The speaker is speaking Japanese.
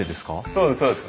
そうですそうです。